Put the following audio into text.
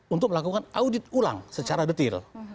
untuk melakukan audit ulang secara detail